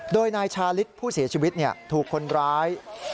โดยนายชาลิศผู้เสียชีวิตถูกคนร้าย